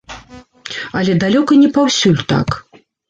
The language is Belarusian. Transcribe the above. Але далёка не паўсюль так.